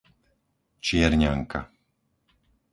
Čierňanka